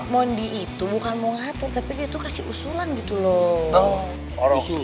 mondi itu bukan mau ngatur tapi dia itu kasih usulan gitu loh